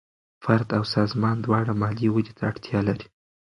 فرد او سازمان دواړه مالي ودې ته اړتیا لري.